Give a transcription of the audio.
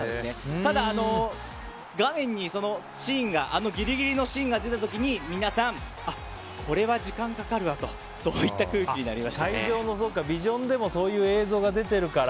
ただ、画面にあのギリギリのシーンが出た時に皆さん、これは時間かかるわと会場のビジョンでもそういう映像が出てるから。